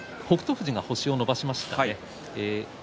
富士が星を伸ばしましたね。